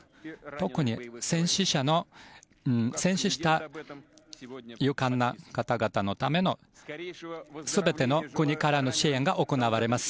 特に戦死した勇敢な方々のための全ての国からの支援が行われます。